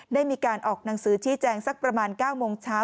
ได้มีการออกหนังสือชี้แจงสักประมาณ๙โมงเช้า